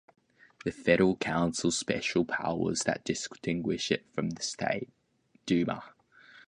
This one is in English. The Federal Council has special powers that distinguish it from the State Duma.